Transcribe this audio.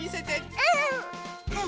うん！